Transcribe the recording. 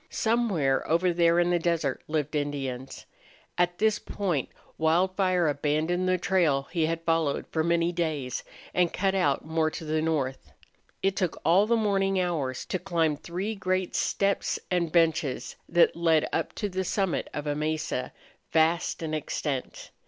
Somewhere over there in the desert lived Indians. At this point Wildfire abandoned the trail he had followed for many days and cut out more to the north. It took all the morning hours to climb three great steppes and benches that led up to the summit of a mesa, vast in extent.